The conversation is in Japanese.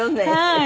はい。